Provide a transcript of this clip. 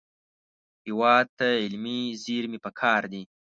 هېواد ته علمي زېرمې پکار دي